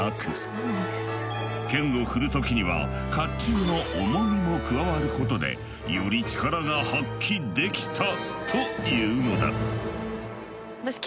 剣を振る時には甲冑の重みも加わることでより力が発揮できたというのだ。